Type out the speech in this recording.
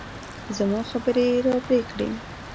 زما خبرې يې راپرې کړې.